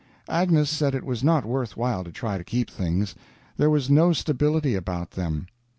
Agnes said it was not worth while to try to keep things; there was no stability about them.